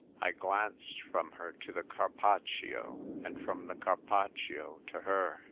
I glanced from her to the Carpaccio, and from the Carpaccio to her.